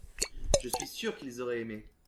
Je suis sûr qu’ils auraient aimé.